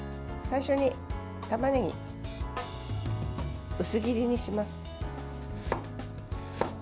最初にたまねぎ、薄切りにします。